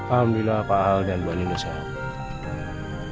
alhamdulillah pak aldan mbak andin udah selamat